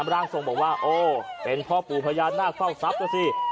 ร่างทรงบอกว่าโอ้เป็นพ่อปู่พญานาคเฝ้าทรัพย์นะสิ